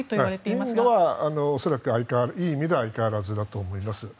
インドは恐らくいい意味で相変わらずだと思います。